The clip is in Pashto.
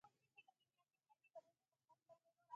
انګور د افغانستان د ځایي اقتصادونو بنسټ دی.